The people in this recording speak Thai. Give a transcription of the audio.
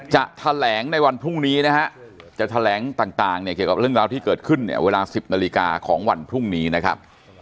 จะแถลงในวันพรุ่งนี้นะฮะจะแถลงต่างเนี่ยเกี่ยวกับเรื่องราวที่เกิดขึ้นเนี่ยเวลา๑๐นาฬิกาของวันพรุ่งนี้นะครับ